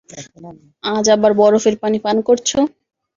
আজ আবার বরফের পানি পান করেছো?